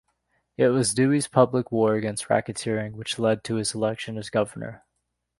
It was Dewey's public war against racketeering which led to his election as governor.